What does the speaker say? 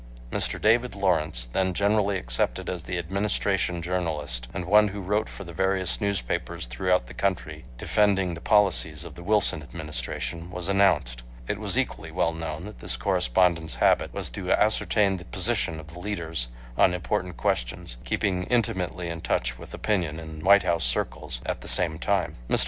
Mr. David Lawrence, then generally accepted as the Administration journalist, and one who wrote for the various newspapers throughout the country defending the policies of the Wilson Administration, was announced. It was equally well known that this correspondent's habit was to ascertain the position of the leaders on important questions, keeping intimately in touch with opinion in White House circles at the same time. Mr.